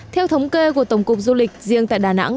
theo thống kê của tổng cục du lịch riêng tại đà nẵng